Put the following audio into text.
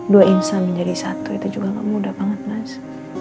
dua insan menjadi satu itu juga gak mudah banget mas